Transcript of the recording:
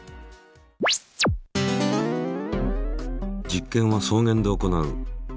実験は草原で行う。